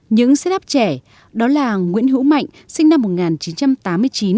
những xếp áp trẻ đó là nguyễn hữu mạnh sinh năm một nghìn chín trăm tám mươi chín